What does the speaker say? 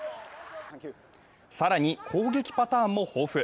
更に攻撃パターンも豊富。